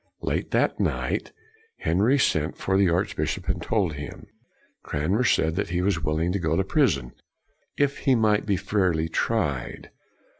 Late that night, Henry sent for the archbishop and told him. Cranmer said that he was willing to go to prison, if he might be fairly tried.